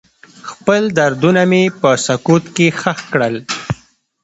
خپل دردونه مې په سکوت کې ښخ کړل.